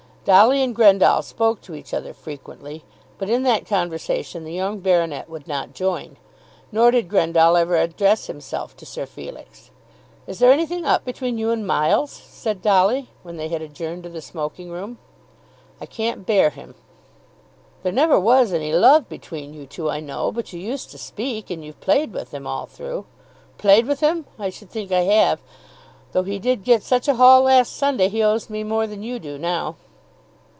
Dolly and Grendall spoke to each other frequently, but in that conversation the young baronet would not join. Nor did Grendall ever address himself to Sir Felix. "Is there anything up between you and Miles?" said Dolly, when they had adjourned to the smoking room. "I can't bear him." "There never was any love between you two, I know. But you used to speak, and you've played with him all through." "Played with him! I should think I have. Though he did get such a haul last Sunday he owes me more than you do now."